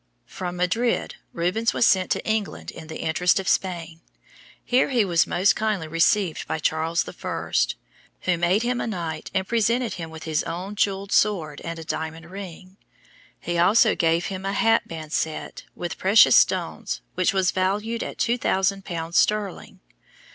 From Madrid, Rubens was sent to England in the interest of Spain. Here he was most kindly received by Charles I., who made him a knight and presented him with his own jeweled sword and a diamond ring. He also gave him a hat band set with precious stones which was valued at two thousand pounds sterling.